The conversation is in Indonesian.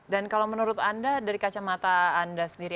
dan kalau menurut anda dari kacamata anda sendiri